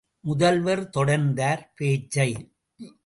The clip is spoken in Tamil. முதல்வர் தொடர்ந்தார் பேச்சை.